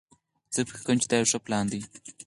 زه فکر کوم چې دا یو ښه پلان ده